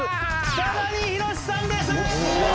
ただにひろしさんです